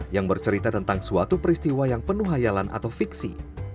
yang bercerita tentang suatu peristiwa yang penuh hayalan atau fiksi